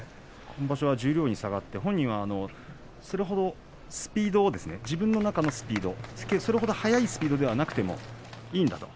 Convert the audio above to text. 今場所は十両に下がって本人はそれほど自分の中のスピードそれほど速いスピードでなくてもいいんだと。